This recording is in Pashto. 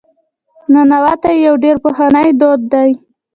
ننواتې یو ډېر پخوانی دود دی.